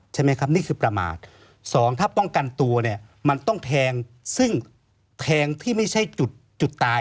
ใช่ไหมครับนี่คือประมาทสองถ้าป้องกันตัวเนี่ยมันต้องแทงซึ่งแทงที่ไม่ใช่จุดตาย